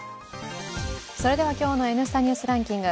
今日の「Ｎスタ・ニュースランキング」